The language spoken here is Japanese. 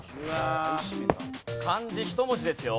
漢字１文字ですよ。